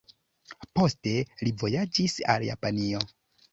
Poste li vojaĝis al Japanio.